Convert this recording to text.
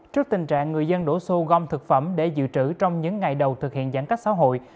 trước tình trạng người dân đổ xô gom thực phẩm để dự trữ trong những ngày đầu thực hiện giãn cách xã hội